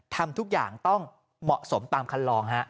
ทำทุกอย่างต้องเหมาะสมตามคันลอง